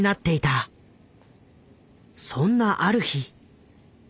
そんなある日。